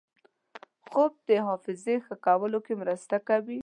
خوب د حافظې ښه کولو کې مرسته کوي